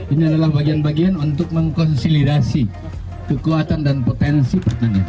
ini adalah bagian bagian untuk mengkonsolidasi kekuatan dan potensi pertanian